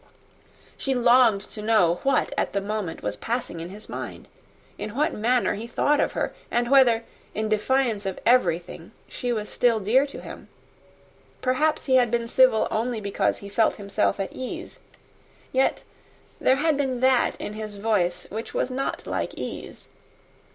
She longed to know what at that moment was passing in his mind; in what manner he thought of her, and whether, in defiance of everything, she was still dear to him. Perhaps he had been civil only because he felt himself at ease; yet there had been that in his voice, which was not like ease.